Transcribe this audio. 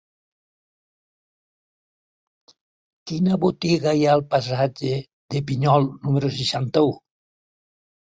Quina botiga hi ha al passatge de Pinyol número seixanta-u?